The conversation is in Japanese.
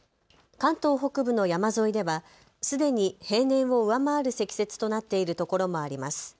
関東北部の山沿いではすでに平年を上回る積雪となっているところもあります。